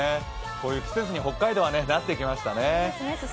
こういう季節に北海道はなってきましたね。